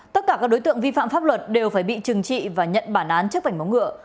tất cả các đối tượng vi phạm pháp luật đều phải bị trừng trị và nhận bản án trước vảnh móng ngựa